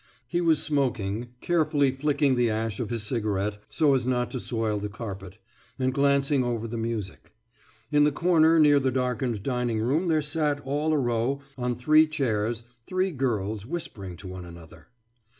He was smoking, carefully flicking the ash of his cigarette so as not to soil the carpet, and glancing over the music. In the corner near the darkened dining room there sat all arow, on three chairs, three girls whispering to one another.